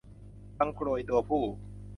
บังโกรยตัวผู้